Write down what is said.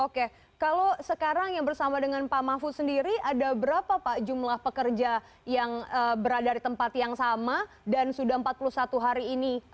oke kalau sekarang yang bersama dengan pak mahfud sendiri ada berapa pak jumlah pekerja yang berada di tempat yang sama dan sudah empat puluh satu hari ini